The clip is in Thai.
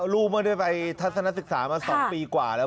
ลูกไม่ได้ไปทัศนศึกษามา๒ปีกว่าแล้ว